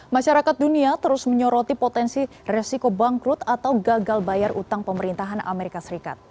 masyarakat dunia terus menyoroti potensi resiko bangkrut atau gagal bayar utang pemerintahan amerika serikat